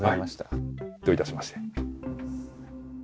はいどういたしまして。